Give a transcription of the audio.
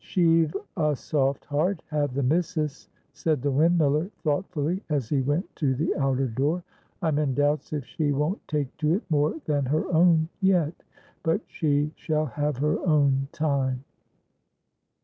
"She've a soft heart, have the missus," said the windmiller, thoughtfully, as he went to the outer door. "I'm in doubts if she won't take to it more than her own yet. But she shall have her own time."